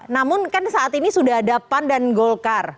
namun kan saat ini sudah ada pan dan golkar